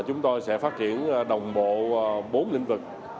chúng tôi sẽ phát triển đồng bộ bốn lĩnh vực